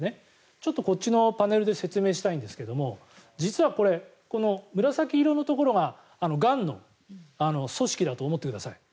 ちょっとこっちのパネルで説明したいんですが実はこれ、紫色のところががんの組織だと思ってください。